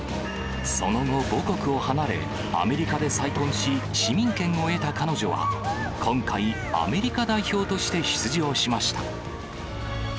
その後、母国を離れ、アメリカで再婚し、市民権を得た彼女は、今回、アメリカ代表として出場しました。